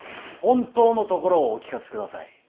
本当のところをお聞かせください